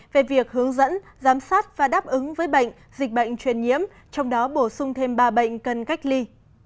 về việc hướng dẫn giám sát và đáp ứng với bệnh dịch bệnh truyền nhiễm trong đó bổ sung thêm ba bệnh cần cách ly